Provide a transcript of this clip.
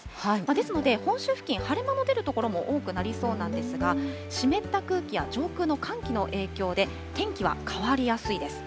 ですので、本州付近、晴れ間の出る所も多くなりそうなんですが、湿った空気や上空の寒気の影響で、天気は変わりやすいです。